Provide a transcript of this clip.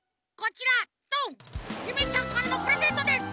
ゆめちゃんからのプレゼントです。